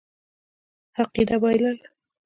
عقیده بایلل.